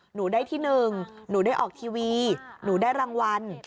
หนูได้ที่หนึ่งหนูได้ออกทีวีหนูได้รางวัล